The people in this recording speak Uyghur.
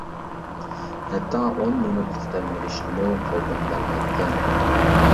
ھەتتا ئون مىنۇتلۇق دەم ئېلىشنىمۇ قولدىن بەرمەيتتىڭ.